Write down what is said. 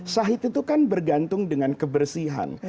syahid itu kan bergantung dengan kebersihan